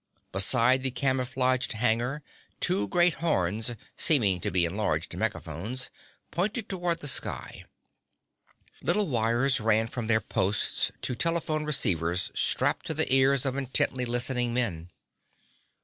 Beside the camouflaged hangar two great horns, seeming to be enlarged megaphones, pointed toward the sky. Little wires ran from their points to telephone receivers strapped on the ears of intently listening men.